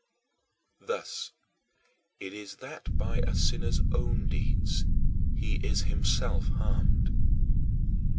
Thus it is that by a sinner's own deeds he is himself harmed.